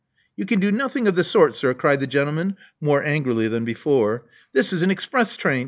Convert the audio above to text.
"You can do nothing of the sort, sir," cried the gentleman, more angrily than before. "This is an express train.